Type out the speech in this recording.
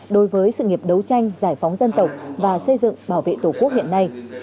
đối với sự nghiệp đấu tranh giải phóng dân tộc và xây dựng bảo vệ tổ quốc hiện nay